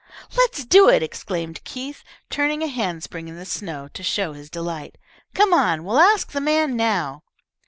"Let's do it!" exclaimed Keith, turning a handspring in the snow to show his delight. "Come on, we'll ask the man now."